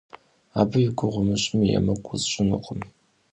Абы и гугъу умыщӏми, емыкӏу усщӏынукъым.